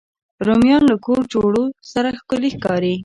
رومیان له کور جوړو سره ښکلي ښکاري